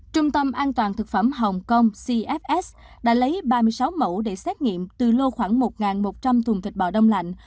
trung tâm an toàn thực phẩm hồng kông cfs đã lấy ba mươi sáu mẫu để xét nghiệm từ lô khoảng một một trăm linh thùng thịt bò đông lạnh